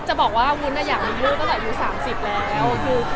จะบอกว่าวุ้นอยากมีลูกตั้งแต่อยู่สามสิบแล้ว